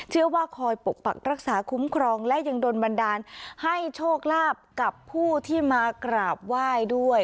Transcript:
เชื่อว่าคอยปกปักรักษาคุ้มครองและยังโดนบันดาลให้โชคลาภกับผู้ที่มากราบไหว้ด้วย